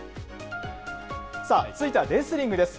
さあ、続いてはレスリングです。